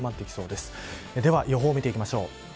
では、予報を見ていきましょう。